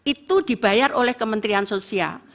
itu dibayar oleh kementerian sosial